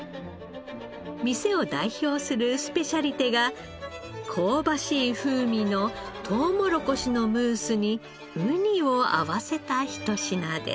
店を代表するスペシャリテが香ばしい風味のとうもろこしのムースに雲丹を合わせたひと品です。